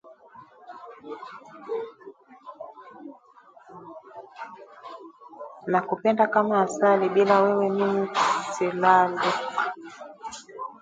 Nakupenda kama asali bila wewe mimi silali